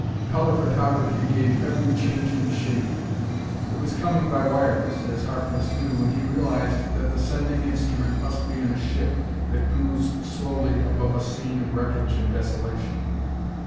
Color photography gave every changing shade. It was coming by wireless, as Harkness knew, and he realized that the sending instrument must be in a ship that cruised slowly above a scene of wreckage and desolation.